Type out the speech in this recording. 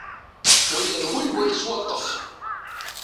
Wa yerwel, wa yettwaṭṭef.